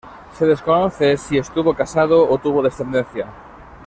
Se desconoce si estuvo casado o tuvo descendencia.